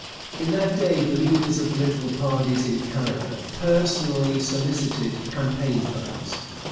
In that day the leaders of political parties in Canada personally solicited campaign funds.